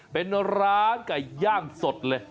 เป็นร้านไก่ย่างสดเลย